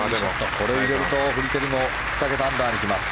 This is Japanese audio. これを入れるとフリテリも２桁アンダーに来ます。